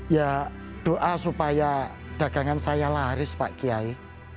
ya doa supaya dagangan saya laris pak kiai